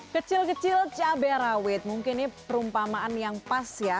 kecil kecil cabai rawit mungkin ini perumpamaan yang pas ya